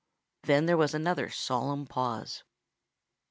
Then there was another solemn pause.